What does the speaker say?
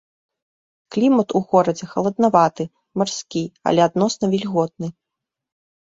Клімат у горадзе халаднаваты, марскі, але адносна вільготны.